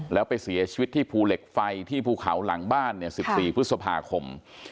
แล้วไปเสียชีวิตที่ภูเหล็กไฟที่ภูเขาหลังบ้าน๑๔พฤษภาคม